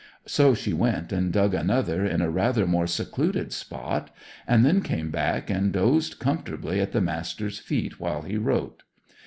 So she went and dug another in a rather more secluded spot; and then came back and dozed comfortably at the Master's feet while he wrote.